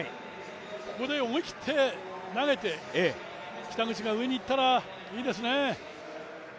ここで思い切って投げて、北口が上に行ったらいいですね。